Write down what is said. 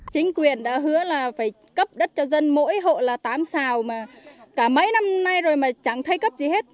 chính quyền đã hứa là phải cấp đất cho dân mỗi hộ là tám xào mà cả mấy năm nay rồi mà chẳng thấy cấp gì hết